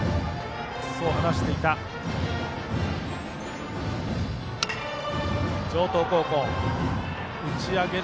そう話していた城東高校。